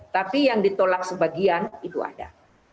tapi yang ditolak sebagian itu ada